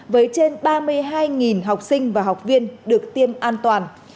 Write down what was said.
với trên ba mươi hai học sinh và học viên được tiêm an toàn